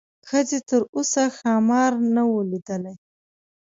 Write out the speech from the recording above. ښځې تر اوسه ښامار نه و لیدلی.